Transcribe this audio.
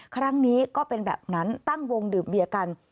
ครั้งนี้ก็เป็นแบบนั้นตั้งวงดื่มเบียร์กัน